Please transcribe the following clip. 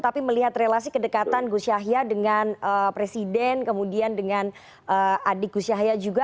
tapi melihat relasi kedekatan gus syahya dengan presiden kemudian dengan adik gus syahya